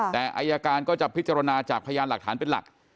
แต่อายการก็จะพิจารณาจากพยานหลักฐานเป็นหลัก